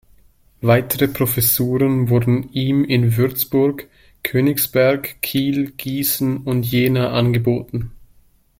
Weitere Professuren wurden ihm in Würzburg, Königsberg, Kiel, Gießen und Jena angeboten.